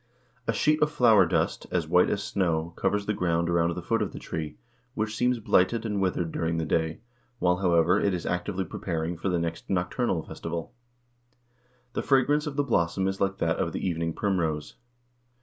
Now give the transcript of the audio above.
A sheet of flower dust, as white as snow, covers the ground around the foot of the tree, which seems blighted and withered during the day, while, however, it is actively preparing for the next nocturnal festival. The fragrance of the blossom is like that of the evening primrose.